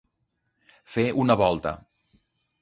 Fer una volta.